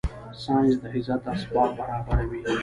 ساینس د عزت اسباب برابره وي